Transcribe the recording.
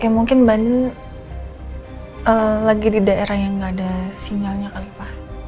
ya mungkin mbak nenang lagi di daerah yang gak ada sinyalnya kali pak